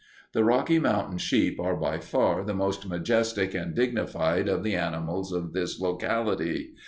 The Rocky Mountain sheep are by far the most majestic and dignified of the animals of this locality.